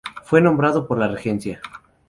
Fue nombrado por la Regencia.